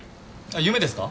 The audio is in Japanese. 夢ですか？